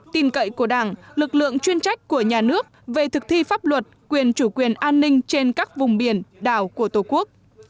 tin cậy của đảng lực lượng chuyên trách của nhà nước về thực thi pháp luật quyền chủ quyền an ninh trên các vùng biển đảo của tổ quốc